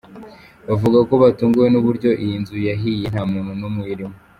Bavuga ko batunguwe n’uburyo iyi nzu yahiye nta muntu n’umwe uyirimo.